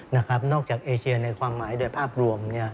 นอกจากเอเชียในความหมายโดยภาพรวม